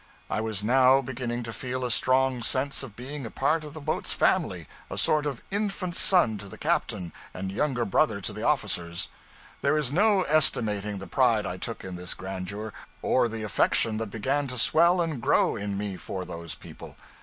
I was now beginning to feel a strong sense of being a part of the boat's family, a sort of infant son to the captain and younger brother to the officers. There is no estimating the pride I took in this grandeur, or the affection that began to swell and grow in me for those people.